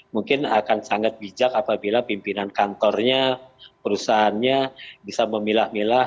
mungkin akan sangat bijak apabila pimpinan kantornya perusahaannya bisa memilah milah